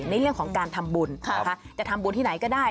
ในเรื่องของการทำบุญนะคะจะทำบุญที่ไหนก็ได้